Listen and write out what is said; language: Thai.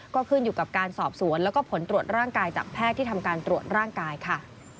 ก็ขึ้นอยู่กับการสอบสวนแล้วก็ผลตรวจร่างกายจากแพทย์ที่ทำการตรวจร่างกายค่ะ